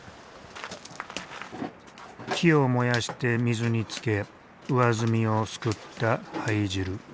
木を燃やして水につけ上澄みをすくった灰汁。